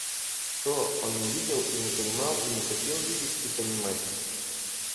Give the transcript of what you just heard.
Что — он не видел и не понимал и не хотел видеть и понимать.